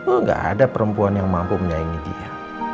enggak ada perempuan yang mampu menyaingi dia